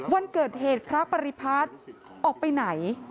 วันเกิดเหตุพระปริพัฒน์ออกไปไหน